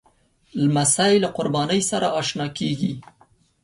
لمسی له قربانۍ سره اشنا کېږي.